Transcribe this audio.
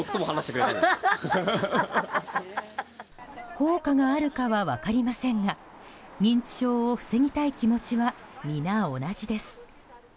効果があるかは分かりませんが認知症を防ぎたい気持ちは皆、同じです。